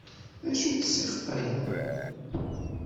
D acu-tt ssixṭa-a?